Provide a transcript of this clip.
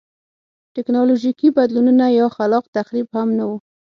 ټکنالوژیکي بدلونونه یا خلاق تخریب هم نه و.